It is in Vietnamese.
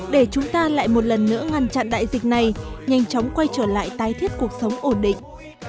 để chúng ta lại một lần nữa ngăn chặn đại dịch này nhanh chóng quay trở lại tái thiết cuộc sống ổn định